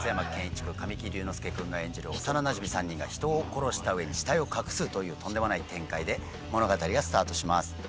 君神木隆之介君が演じる幼なじみ３人が人を殺した上に死体を隠すというとんでもない展開で物語がスタートします。